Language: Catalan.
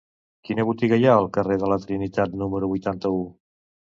Quina botiga hi ha al carrer de la Trinitat número vuitanta-u?